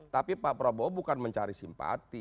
tapi pak prabowo bukan mencari simpati